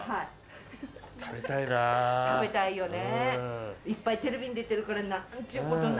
食べたいよね。